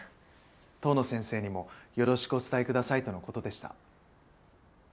遠野先生にもよろしくお伝えくださいとの事でした。